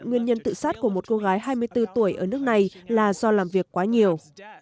nguyên nhân tự sát của một cô gái hai mươi bốn tuổi ở nước này là do làm việc quá nhiều